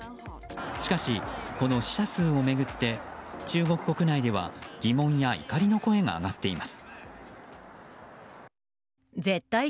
しかし、この死者数を巡って中国国内では疑問や怒りの声が上がっています。